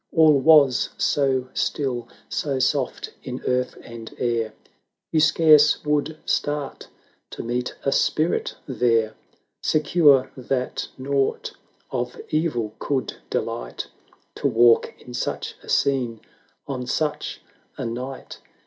All was so still, so soft in earth and air, You scarce would start to meet a spirit there; Secure that nought of evil could delight To walk in such a scene, on such a night!